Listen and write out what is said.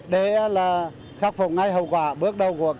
để là khắc phục ngay hậu quả bước đầu của cơn bão số năm